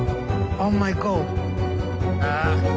ああ。